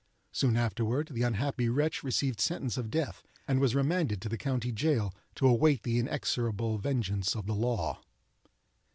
Soon afterward the unhappy wretch received sentence of death, and was remanded to the county jail to await the inexorable vengeance of the law.